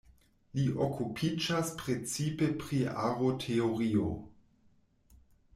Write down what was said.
Li okupiĝas precipe pri aroteorio.